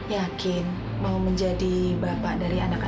yakin mau menjadi bapak dari anak anak